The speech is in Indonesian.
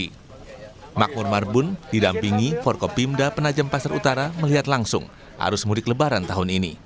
pj bupati kabupaten penajam pasar utara makmur marbun didampingi forkopimda penajam pasar utara melihat langsung arus mudik lebaran tahun ini